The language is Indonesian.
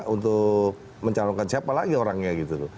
untuk mencalonkan siapa lagi orangnya gitu loh